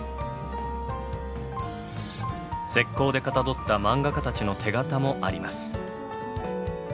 石膏でかたどったマンガ家たちの手型もあります。